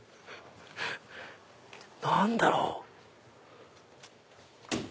何だろう？